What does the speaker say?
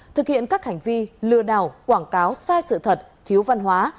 thực hiện các hành vi lừa đảo quảng cáo sai sự thật thiếu văn hóa